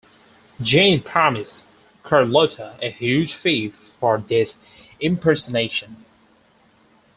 Jane promised Carlotta a huge fee for this impersonation.